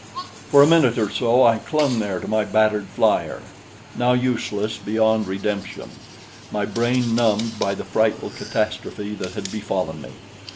For a minute or so I clung there to my battered flyer, now useless beyond redemption, my brain numbed by the frightful catastrophe that had befallen me.